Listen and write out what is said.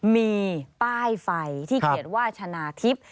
มีป้ายไฟที่เขียนว่าชนะทิพย์